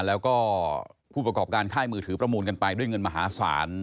แล้วก็ผู้ประกอบการค่ายมือถือประมูลกันไปด้วยเงินมหาศาล